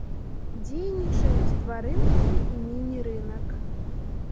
Дзейнічаюць два рынкі і міні-рынак.